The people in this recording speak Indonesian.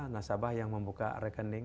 nasabah yang membuka rekening